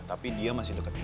tapi dia masih deketin